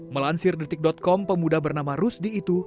melansir detik com pemuda bernama rusdi itu